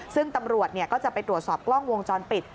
ซึ่งตำรวจก็จะไปตรวจสอบกล้องวงจรปิด